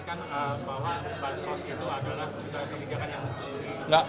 sudah kebijakan yang harus